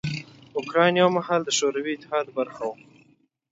اوکراین یو مهال د شوروي اتحاد برخه وه.